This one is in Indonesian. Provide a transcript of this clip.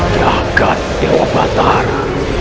jagat dewa batara